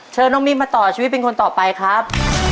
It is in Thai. เชิญน้องมิ้นมาต่อชีวิตเป็นคนต่อไปครับ